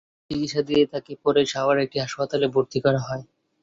প্রাথমিক চিকিৎসা দিয়ে তাঁকে পরে সাভারের একটি হাসপাতালে ভর্তি করা হয়।